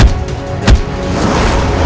aku akan menangkap dia